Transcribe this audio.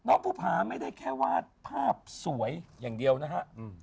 ภูผาไม่ได้แค่วาดภาพสวยอย่างเดียวนะฮะ